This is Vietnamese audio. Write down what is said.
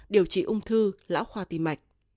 điều trị ung thư lão khoa tìm mạch